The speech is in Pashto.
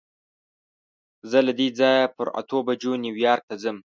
زه له دې ځایه پر اتو بجو نیویارک ته ځم.